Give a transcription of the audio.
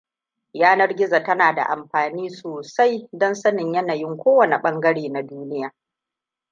Yanar gizo tana da amfani sosai don sanin yanayin kowane ɓangare na duniya.